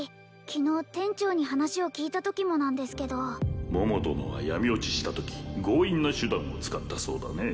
昨日店長に話を聞いたときもなんですけど桃殿は闇堕ちしたとき強引な手段を使ったそうだね